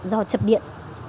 do chập điện